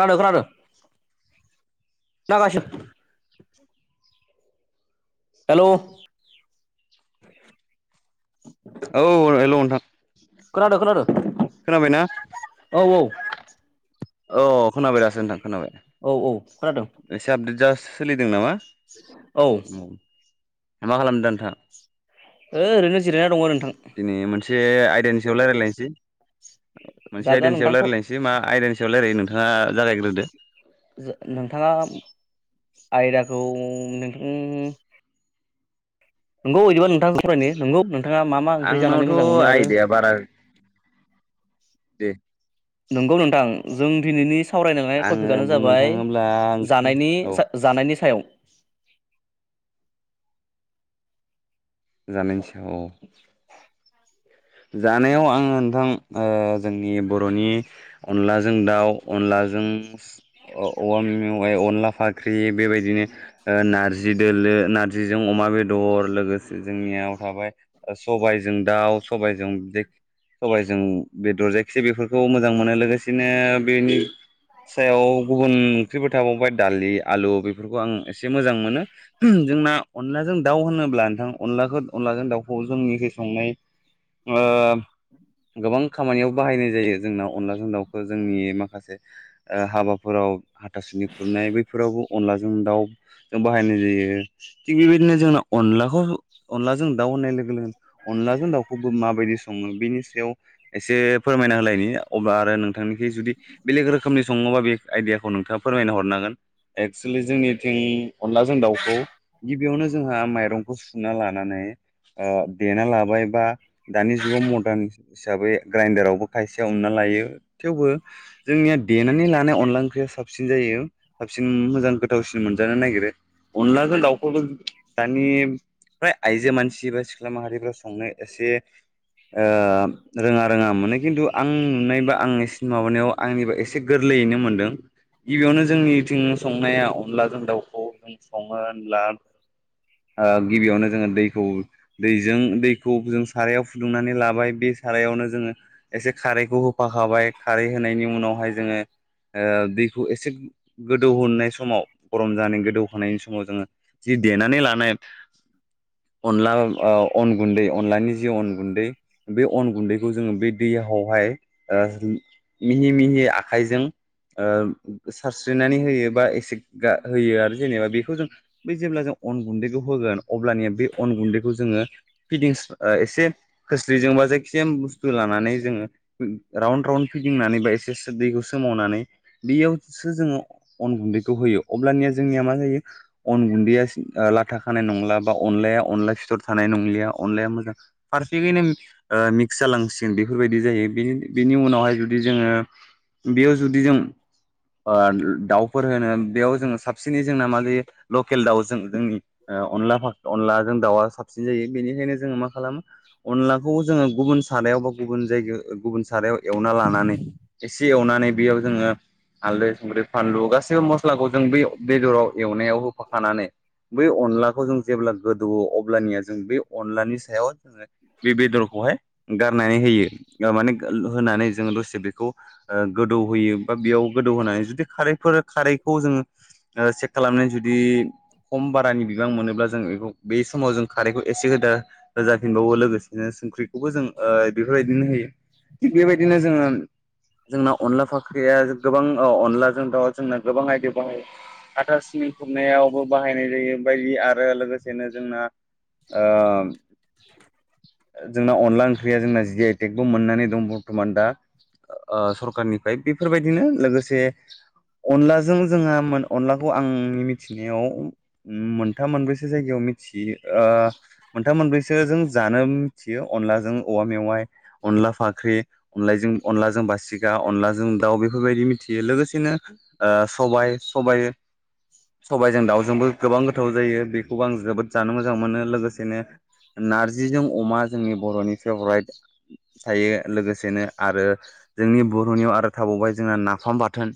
खानोदों खानोदों नागासिम हेल' औ हेल' नोंथां खोनादों खनादों खोनाबायना औ अ खोनाबाय दासो नोंथां खोनाबाय औ खोनादों एसे आपडेट जास सोलिदों नामा औ मा खालामदों नोंथाङा ओ ओरैनो जिरायना दङो नोंथां से आयदानि सायाव राय लायलायनसै मोनसे जागोन आयदानि सायाव नोंथांखौ रायलायलानसै मा आयदानि सायाव रायलायो नोंथाङा जागायग्रो दो जां नोंथाङा आयदाखौ नोंथां उम नोंगौ बिदिबा नोंथां फरायनो नोंगौ नों आंनावथ' आयदाया बारा दे नंगौ नोंथां जों दिनैनि सावरायनो लानाय आङो टपिकानो बुंनो जाबाय थाङोब्ला ओंख्रि जानायनि औ जानायनि सायाव [inaudible] जानायनि सायाव औ जानायाव आङो नोंथां ओ जोंनि बर'नि अनलाजों दाउ अनलाजों अ औवा मे मेवाइ अनला फाख्रि बेबायदिनो ओ नारजि दोलो नारजिजों अमा बेदर लोगोसे जोंनियाव थाबाय सबायजों दाउ सबाइजों बे सब्बायजों बेदर जायखि बेफोरखौ मोजां मोनो लोगोसेनो बेनि सायाव गुबुन ओंख्रिफोर थाबावबाय दालि आलु बेफोरखौ आं एसे मोजां मोनो जोंना अनलाजों दाउ होनो ब्ला नोंथां अनलाखो अनलाजों दाउखौ जोंनि जि संनाय ओ गोबां खामानियाव बाहायनाय जायो जोंनाव अनलाजों दाउखौ जोंनि माखासे ओ हाबाफोराव हाथासुनि खुरनाय बैफोरावबो अनलाजों दाउ जों बाहायनाय जायो थिग बेबायदिनो जोंना अनलाखौ अनलाजों दाउ होननाय लोगो लोगो अनलाजों दाउ माबायदि सङो बेनि सायाव एसे फोरमायना होलायनि अब्ला आरो नोंथांनिखि जुदि बेलेग रोखोमनि सङोबा बे आयदियाखौ नोंथाङा फोरमायना हरनो हागोन एक्सुलि जोंनिथिं अनलाजों दाउखौ गिबियावनो जोंहा माइरंखौ सुना लानानै ओ देना लाबाय बा दानि जुगाव मदार्न हिसाबै ग्राइनडारावबो खायसेया उनना लायो थेवबो जोंनिया देनानै लानाय अनला अनला ओंख्रिया साबसिन जायो साबसिन मोजां गोथावसिन मोनजानो नागिरो अनलाजों दाउ दानि फ्राय आइजो मानसि बा सिख्ला माहारिफ्रा संनो एसे ओ रोङा रोङा मोनो खिन्थु आं मोननाय बा आंनि सिन माबानायाव आंनिबा गोरलैयैनो मोनदों गिबियावनो जोंनिथिं संनायाव अनलाजों दाउखौ सङो होनब्ला ओ गिबियावनो जोङो दैखौ दैजों दैखौ सारायाव फुदुंनानै लाबाय बे सारायावनो जोङो एसे खारैखौ होफाखाबाय खारै होनायनि उनावहाय जोङो ओ दैखौ एसे गोदौ होनाय समाव गरम जानानै गोदौ होखांनायनि समाव जोङो जि देनानै लानाय अनला ओ अन गुन्दै अनलानि जि अन गुन्दै बे अन गुन्दैखौ जोङो बे दैयावहाय ओ मिहि मिहि आखाइजों ओ सारस्रिनानै होयो बा एसे गा होयो आरो जेनेबा बेखौ जों बे जेब्ला जों अन गुन्दैखौ होगोन अब्लानिया बे अन गुन्दैखौ जोङो फिदिंसो एसे खोस्लिजोंबा सेम बुस्थु लानानै जोङो राउन्ड राउन्ड फिदिंनानै बा एसे दैखौ सोमावनानै बेयावसो जोङो अन गुन्दैखौ होयो अब्लानिया जोंनिया मा जायो अन गुन्दैया लाथा खानाय नंला बा अनलाया अनला फिथर थानाय नंलिया अनलाया मोजां पारफेसेयैनो ओ मिक्स जालांसिगोन बेफोरबायदि जायो बे बेनि उनावहाय जुदि जोङो बेयाव जुदि जों ओ दाउफोर होनो बेयाव जों साबसिनै जोंना मा जायो लकेल दाउजों जोंनि अनला अनलाजों दाउया साबसिन जायो बेनिखायनो जों मा खालामो अनलाखौ जों गुबुन सारायावबा गुबुन जायगायाव गुबुन सारायाव एवना लानानै एसे एवनानै बेयाव जोङो हालदै संख्रि फानलु गासैबो मस्लाखौ जों बे बेदराव एवनायाव होफाखानानै बै अनलाखौ जों जेब्ला गोदौवयो अब्लानिया जों बे अनलानि [inaudible] बे बेदरखौहाय गारनानै होयो माने होनानै जों दसे बेखौ ओ गोदौ होयो बा बेयाव गोदौ होनानै जुदि खारैफोर खारैखौ जोङो सेेक खालामनानै जुदि खम बारानि बिबां मोनोब्ला जोंखौ बे समाव जों खारैखौ एसे होदा होजाफिनबावो लोगोसेनो संख्रि खौबो जों जोंना अनलाफाख गोबां ओ अनलाजों जोंथाव जोंना गोबां आयदायाव बाहायो आथा सिं खुरनायावबो बाहाय ओम ओ जों जों अनला ओंख्रिया जोंना जि आइ टेकबो मोननानै दं बर्थमान दा ओ सरखारनिफ्राय बेफोरबायदिनो लोगोसे अनलाजों जोंहा अनलाखौ आंनि उम मिथिनायाव मोनथाम मोनबैसो जायगायाव मिथि ओ बिसोरजों जानो मिथियो अनलाजों औवा मेवाइ अनला फाख्रि अनलायजों अनलाजों बासिगखा अनलाजों दाउ बेफोरबायदि मिथियो लोगोसेनो सबाइ सब सबजों दाउजोंबो गोबां गोथाव जायो बेखौबो आं जोबोद जानो मोजां मोनो लोगोसेनो नारजिजों अमा जोंनि बर'नि फेभराइट थायो लोगोसेनो आरो जोंनि बर'नियाव आरो थाबावबाय जोंहा नाफाम बाथोन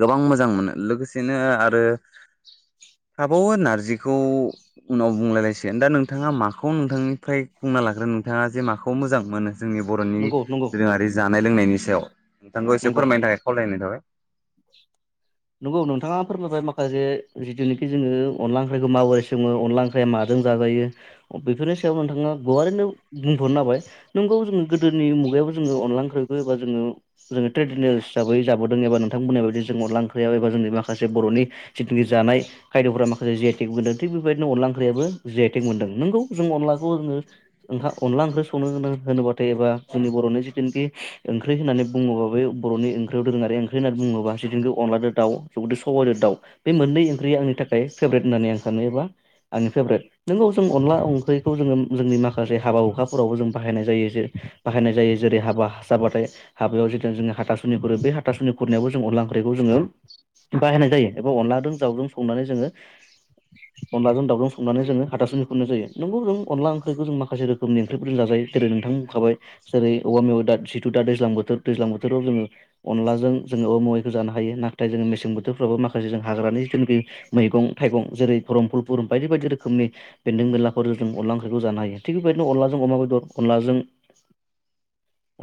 गोबां मोजां मोनो लोगोसेनो आरो थाबावो नार्जिखौ उनाव बुंलायलायसिगोन दा नों नोंथाङा माखौ नोंथांनिफ्राय बुंना लाग्रो नोंथाङा जे माखौ मोजां मोनो जोंनि बर'नि नंगौ नंगौ दोरोङारि जानाय लोंनायनि सायाव नोंथांखौ एसे नंगौ फोरमायनो थाखाय खावलायनाय थाबाय नोंगौ नोंथाङा फोरमायबाय माखासे जिथुनिखि जोङो अनला ओंख्रिखौ माबोरै सङो अनला ओख्रिया माजों जाजायो बेफोरनि सायाव नोंथाङा गुवारैनो बुंथ'नो हाबाय नंगौ जोङो गोदोनि मुगायावबो जोङो अनला ओंख्रिखौ एबाोङोङो ट्रेडिनेल हिसाबै जाबोदों एबा नोंथां बुंनाय बायदि जों अनला ओंख्रि ओंख्रियाव एबा जोंनि माखासे बर'नि जिथुखि जानाय खायद'फोराव माखासे जियाइथेक मोनदों थिग बेबायदिनो अनला ओंख्रियाबो जि आइटेक मोनदों नोंगौ जों अनलाखौ जोङो ओं अनला ओंख्रि संनो होनोबाथाय एबा जोंनि बर'नि जिथुनिखि ओंख्रि होननानै बुङोबा बे बर'नि ओंख्रियाव दोरों आरो ओंख्रि होननानै बुङोब्ला जिथुखि अनला दाउ जगदै सबाइ दाउ बे मोननै ओंख्रिया आंनि थाखाय फेभरेट होननानै आं सानो एबा आंनि फेभरेट नोंगौ जों अनला ओंख्रिखौ जोङो जोंनि माखासे हाबा हुखाफोरावबो जों बाहायनाय जायो जे बाहायनाय जायो जेरै हाबा जाबाथाय हाबायाव जे जोङो हाथासुनि खुरो बे हाथासुनि खुरनायावबो जों अनला ओंख्रिखौ जोङो बाहायनाय जायो एबा अनलाजों दाउजों संनानै जोङो अनलाजों दाउजों संनानै जोङो हाथासुनि खुरनाय जायो नंगौ जों अनला ओंख्रिखौ जों माखासे रोखोमनि ओंख्रिफोरजों जाजायो जेरै नोंथां बुंखाबाय जेरै औवा मेवाइ दा जिथु दा दैज्लां बोथोर दैज्लां बोथोराव जोङो अनलाजों जोङो औवा मेवैखौ जानो हायो ना नाथाय जोङो मेसें बोथोरफ्रावो माखासे जों हाग्रानि जिथुखि मैगं थाइगं जेरै खरमफुलफुरुम बायदि बायदि रोखोमनि बेन्दों बेनलाफोर जों अनला ओंख्रिखौ जानो हायो थिग बेबायदिनो अनलाजों अमा बेदर अनलाजों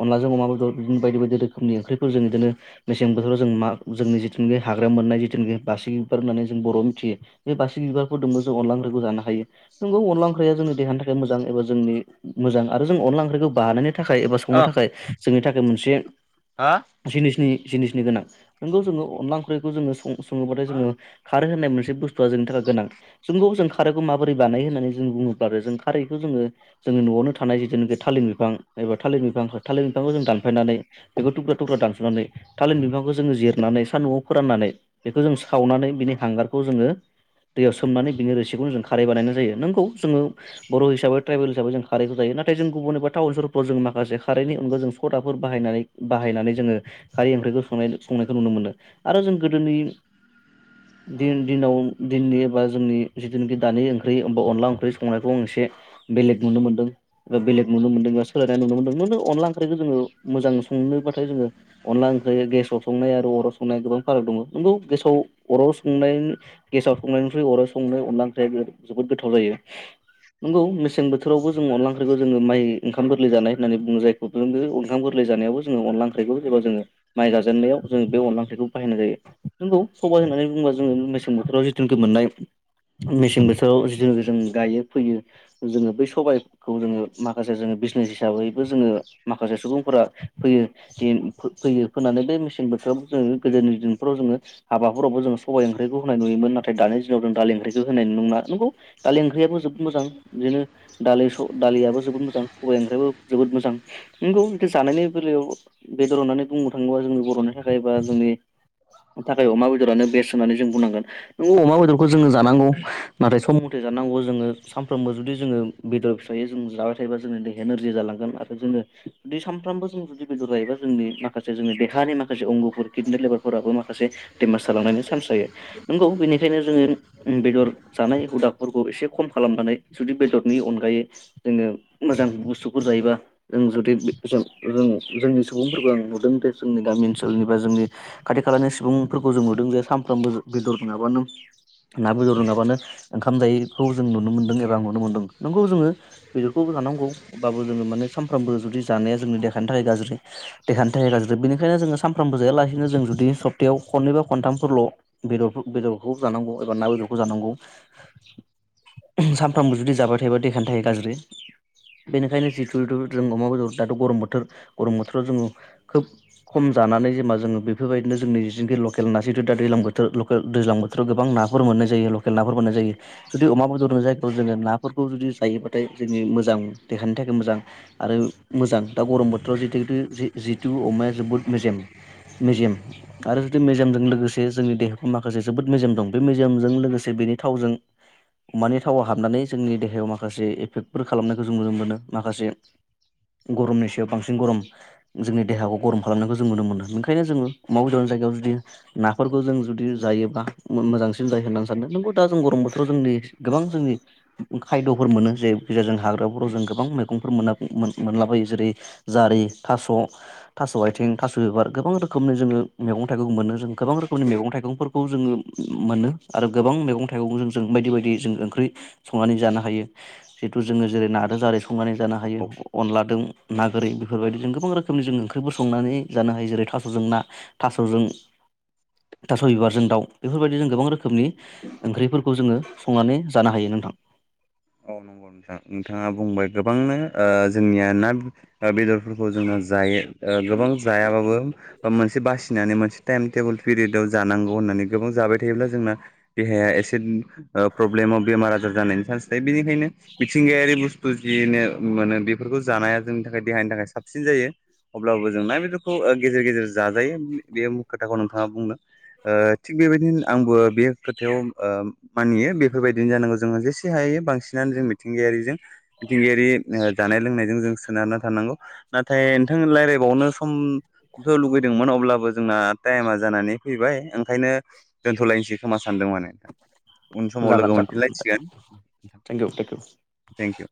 अनलाजों अमा बेदर बिदिनो बायदि बायदि रोखोमनि ओंख्रिफोर जों बिदिनो मेसें बोथोराव जों मा जोंनि जों जे हाग्रा मोननाय जिथुखि बासिग बिबार होननानै जों बर' मिथियो बे बासिग बिारखौदों जों अनला ओंख्रिखौ जानो हायो नोंगौ अनला ओंख्रिया जोंनि देहानि थाखाय मोजांबा जोंनि मोजां आरो जों अनला ओंख्रिखौ बानायानानै थाखाय एबा संनो अ थाखाय जोंनि थाखाय मोनसे हा जिनिसनि जिनिसनि गोनां नोंगौ जोङो अनला ओंख्रिखौ जोङो सं सङोबाथाय जोङो मा खारै होननाय मोनसे बुस्थुवआ जोंनि थाखाय गोनां जोंगौ जों खारैखौ माबोरै बानाय होननानै जों बुङोब्ला आरो जों खारैखौ जोङो जोङो न'आवनो थानाय ज जिथुनाखि थालिर बिफां एबा थालिर बिफां थालिर बिफांखौ जों दानफायनानै बेखौ थुुब्रा थुुब्रा दानस'नानै थालिर बिफांखौ जोङो जिरनानै सान्द'आव फोराननानै बेखौ जों सावनानै बिनि हांगारखौ जोङो दैयाव सोमनानै बिनि रोसिखौनो जों खारै बानायनाय जायो नोंगौ जोङो बर' हिसाबै ट्राइबेल हिसाबै जों खारैखौ जायो नाथाय जों गुबुन एबा टाउन सहरफ्राव जों माखासे खारैनि अनगा जों सदाफोर बाहायनानै बाहायनानै जोङो खारै ओंख्रिखौ सं संनायखौ नुनो मोनो आरो जों गोदोनि दि दिनाव दिननि एबा जोंनि जिथुनिखि दानि ओंख्रि हबा अनला ओंख्रि संनायखौ आ एसे बेलेग नुनो मोन्दों बा बेलेग नुनो मोनदों एबा सोलायनाय नुनो मोनदों अनला ओंख्रिखौ जोङो मोजां संनोबाथाय जोङो अनला ओंख्रिया गेसाव संनाय आरो अराव सं संनाय गोबां फाराग दङ नंगौ गेसाव अराव संनाय गेसाव संनायनिख्रुइ अराव संनाय अनला ओंख्रिया जोबोद गोथाव जायो नोंगौ मेसें बोथोरावबो जों अनला ओंख्रिखौ जोङो माइ ओंखाम गोरलै जानाय होननानै बुङो जायखौ जों बे ओंखाम गोरलै जानायबो जोङो अनला ओंख्रिखौ एबा जोङो माइ जाजेननायाव जों बे अनला ओ खौ बाहायनाय जायो नोंगौ सबाइ होननानै बुङोबा जोङो मेसें बोथोराव जिथुनिखि मोननाय मेसें बोथोराव जिथुनिखि जों गायो फैयो जोङो बै सबाइखौ जोङो माखासे जोङो बिजनेस हिसाबैबो जोङो माखासे सुबुंफोरा फैयो फैयो फोननानै बे मेसें बोथोराव जोङो गोदोनि दिनफ्राव जोङो हाबाफोरावबो जोङो सबाइ ओंख्रिखौ होनाय नुयोमोन नाथाय दानि दिनाव जों दालि ओंख्रिखौ होनायनि नुनोमोना नंगौ दालि ओंख्रियाब जोबोद मोजां बिदिनो दालि सल दालियाबो जोबोद मोजां सबाइ ओंख्रियो जोबोद मोजां नंगौ बिदि जानायनि बेलायाव बेदर होननानै बुंनो थाङोबा जोंनि बर'नि थाखाय बा जोंनि थाखाय अमा बेदरानो बेस्ट होननानै जों बुंनांगोन नोंगौ अमा बेदरखौ जोङो जानांगौ नाथाय सम मथे जानांगौ जोङो सानफ्रोमबो जुदि जोङो बेदर फिसायै जों जाबाय थायोब जोंनि देहायानोरजि जालांगोन आरो जोङो जुदि सानफ्रामबो जों जुदि बेदर जायोबा जोंनि माखासे जोंनि देहानि माखासे माखासे अंग'फोर किडनि लेभारफोराबो माखासे बेमार जालांनायनि चान्स जायो नंगौ बेनिखायनो जोङो बेदर जानाय हुदाफोरखौ एसे खम खालामनानै जुदि बेदरनि अनगायै जोङो मोजां बुस्थुफोर जायोबा जों जुदि जोंनि सुबुंफोरखौ आं नुदों जे जोंनि गामि ओनसोल सोरनिबा जोंनि खाथि खालानि सुबुंफोरखौ जों नुदों जे सानफ्रामबो बेदर नङाबानो ना बेदर नङाबानो ओंखाम जायैखौ जों नुनो मोनदों एबा नुनो मोनदों नंगौ जोङो बेदरखौ जानांगौबाबो जोङो माने सानफ्रामबो जुदि जानाया जोंनि देहानि थाखाय गाज्रि देहानि थाखाय गाज्रि बेनिखायनो जोङो साम फ्रामबोजायालासिनो जों जुदि सप्तायाव खनैबा खनथामफोरल' बेदर बेदरखौ जानांगौ एबा ना बेदरखौ जानांगौ। सानफ्रामबो जुदि जाबाय थायोबा देखायानो थायो गाज्रि बेनिखायनो जितुथु जों अमा बेदर दाथ' गरम बोथोर गरम बोथोराव जोङो खोब खम जानानै जेनेबा जोङो बेफोरबायदिनो जोंनि जिसेखि लकेल ना सथु दा दैज्लां बोथोर लकेल दैजां बोथोराव गोबां नाफोर मोननाय जायो लकेल नाफोर मोननाय जायो जुदि अमा बेदरजों जाय थ' जोङो नाफोरखौ जुदि जायोब्लाथाय जोंनि मोजां देहानि थाखाय मोजां। आरो मोजां दा गरम बोथोराव जितुेु जितु अमाया जोबोद मेजेम मेजेम आरो जुदि मेजेमजों लोगोसे जोंनि देहाखौ माखासे जोबोद मेजेम दं बे मेजेमजों लोगोसे बेनि थावजों अमानि थावआव हाबनानै जोंनि देहायाव माखासे एफेक्ट बेफोर खालामनायखौ जों नुनो मोनो। माखासे गरमनि सायाव बांसिन गरम जोंनि देहाखौ गरम खालामनायखौ जों नुनो मोनो ओंखायनो जोङो अमा बेदरनाय जायगायाव जुदि नाफोरखौ जों जुदि जायोब्ला मोजांसिन जायो होननानै सानो नोंगौ दा जों गरम बोथोराव जोंनि गोबां जोंनि खायद'फोर मोनो जे गेजेरजों हाग्राफोराव जों गोबां मैगंफोर मोनाब मोन मोनलाबायो जेरै जारि थास' थास' आथिं थिं थास' बिबार गोबां रोखोमनि जोङो मैगं थाइगं मोनो जों गोबां रोखोमनि मैगं थाइगंफोरखौ जोङो मोनो आरो गोबां मैगं थाइगंजों जों बायदि बायदि जों ओंख्रि संनानै जानो हायो जिहेतु जोङो जेरै नार जारि स संनानै जानो हायो अनलादों नागोरि बेफोरबायदि जोंबां रोखोमनि जों ओंख्रि सं संनानै जानो हायो जेरै थास'जों ना थास'जों थास' बिबारजों दाउ बेफोरबायदि जों गोबां रोखोमनि ओंख्रिफोरखौ जोङो संनानै जानो हायो नोंथां। औ नंगौ नोंथां नोंथाङा बुंबाय गोबांनो ओ जोंनिया ना ना बेदर फोरफोरखौ जोंनो जायो ओ गोबां जायाबाबो बा मोनसे बासिनानै मोनसे टाइम टेबोल पिरियदआव जानांगौ होननानै गोबां जाबाय थायोब्ला जोंना देहाया एसे ओ प्रब्लेमाव बेमार आजार जानायनि चान्स बिनिखायनो मिथिंगायारि बुस्थु जिनो मोनो बेफोरखौ जानाया जोंनि थाखाय देहानि थाखाय साबसिन जायो अब्लाबो जों ना बेदरखौ गेजेर गेजेर जाजायो बे खोथाखौ नोंथाङा बुंनो ओ थिग बेबायदिनो आंबो बे खोथायाव ओ मानियो बेफोरबायदिनो जानांगौ जोङो जेसे से हायो बांसिनानो जों मिथिंगायारिजों मिथिंगायारि ओ जानाय लोंनायजों जों सोनारना थानांगौ नाथाय नोंथां रायलायबावनो समथ' लुगैदोंमोन अब्लाबो जोंना टाइमा जानानै फैबाय ओंखायनो दोनथ'लायनोसै खोमा स सानदों माने उन समाव लोगो मोनफिनलायसिगोन thank you thank you. Thank U.